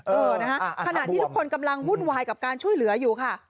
เออนะฮะขณะที่ทุกคนกำลังวุ่นวายกับการช่วยเหลืออยู่ค่ะ